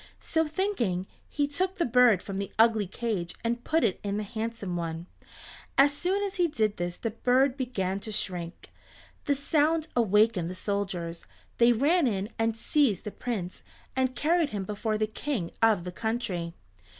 So thinking, he took the bird from the ugly cage and put it in the handsome one. As soon as he did this the bird began to shriek. This sound awakened the soldiers. They ran in and seized the Prince, and carried him before the King of the country.